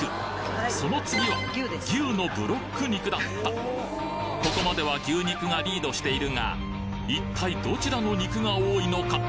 その次は牛のブロック肉だったここまでは牛肉がリードしているが一体どちらの肉が多いのか？